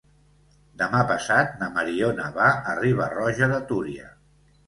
Demà passat na Mariona va a Riba-roja de Túria.